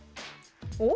お？